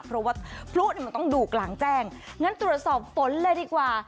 เพราะว่าพลุเนี่ยมันต้องดูกลางแจ้งงั้นตรวจสอบฝนเลยดีกว่า